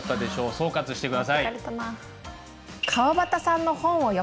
総括して下さい。